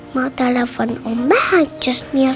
mau telepon om bahan just mir